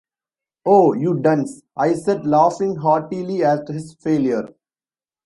“Oh, you dunce!” I said, laughing heartily at his failure.